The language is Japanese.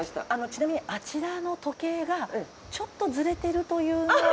ちなみにあちらの時計がちょっとズレてるというのは。